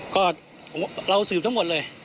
ก็เราสืบทั้งหมดเลย